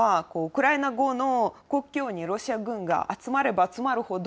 そのあとはウクライナの国境にロシア軍が集まれば集まるほど、